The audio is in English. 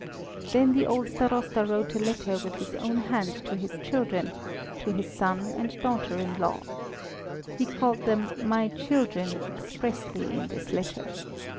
Then the old Starosta wrote a letter with his own hand to his children, to his son and daughter in law. He called them "my children" expressly in this letter.